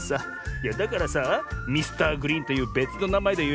いやだからさミスターグリーンというべつのなまえでよ